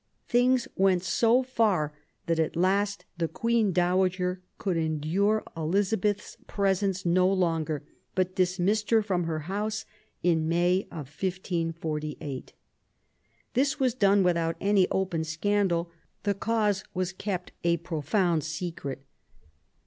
Things went so far that, at last, the Queen Dowager could endure Elizabeth's presence no longer, but dismissed her from her house in May, 1548. This was done without any open scandal ; the cause was kept a profound secret.